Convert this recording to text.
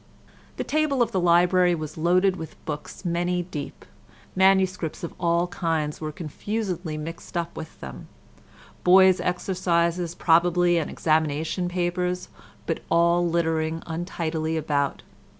The table of the library was loaded with books many deep; MSS. of all kinds were confusedly mixed up with them,—boys' exercises, probably, and examination papers—but all littering untidily about.